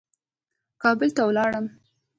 کابل ته ولاړم.